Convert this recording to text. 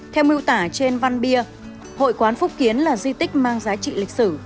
theo miêu tả trên văn bia hội quán phúc kiến là di tích mang giá trị lịch sử